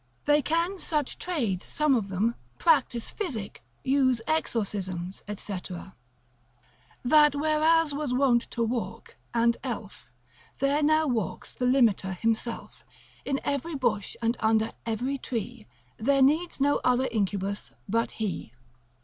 They can such trades, some of them, practise physic, use exorcisms, &c. That whereas was wont to walk and Elf, There now walks the Limiter himself, In every bush and under every tree, There needs no other Incubus but he.